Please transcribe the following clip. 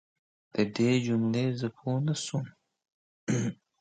Commodore has also said he hopes Babcock gets hit by a truck.